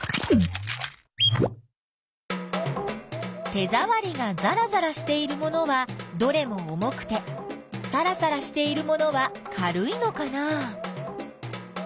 手ざわりがざらざらしているものはどれも重くてさらさらしているものは軽いのかなあ。